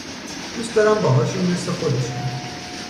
دوست دارم باهاشون مث خودشون